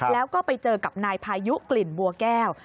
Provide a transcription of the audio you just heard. แล้วก็ไปเจอกับนายพายุกลิ่นบัวแก้ว